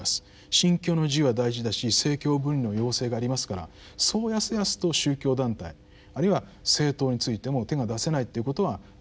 「信教の自由」は大事だし政教分離の要請がありますからそうやすやすと宗教団体あるいは政党についても手が出せないということは分かります。